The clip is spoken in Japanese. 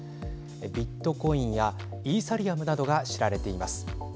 ビットコインやイーサリアムなどが知られています。